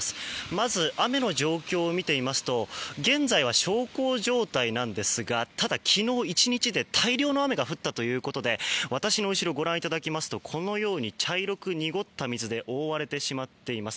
まず、雨の状況を見ていますと現在は小康状態なんですがただ、昨日１日で大量の雨が降ったということで私の後ろをご覧いただきますとこのように茶色く濁った水で覆われてしまっています。